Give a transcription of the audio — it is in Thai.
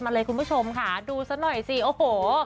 เลยคุณผู้ชมค่ะดูซะหน่อยสิโอ้โห